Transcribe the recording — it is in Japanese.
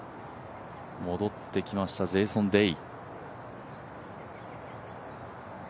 戻ってきました、ジェイソン・デイ。